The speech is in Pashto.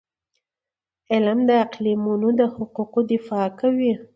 علم د اقلیتونو د حقونو دفاع کوي.